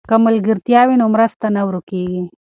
که ملګرتیا وي نو مرسته نه ورکېږي.